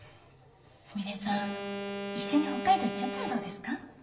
すみれさん一緒に北海道行っちゃったらどうですか？